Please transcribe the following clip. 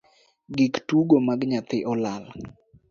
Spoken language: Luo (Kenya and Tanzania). Gik tugo mag nyathi olal.